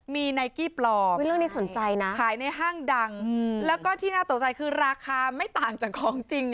มีไนกี้ปลอมเรื่องนี้สนใจนะขายในห้างดังแล้วก็ที่น่าตกใจคือราคาไม่ต่างจากของจริง